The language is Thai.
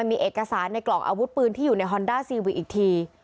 มีเอกสารในกล่องอาวุธปืนที่อยู่ในฮอนด้าซีวิกอีกที